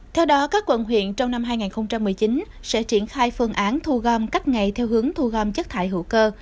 theo đó các quận huyện trong năm hai nghìn một mươi chín sẽ triển khai phương án thu gom cách ngày theo hướng thu gom chất thải hữu cơ